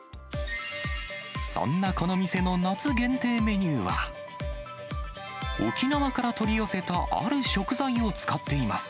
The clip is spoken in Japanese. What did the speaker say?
そんなこの店の夏限定メニューは、沖縄から取り寄せたある食材を使っています。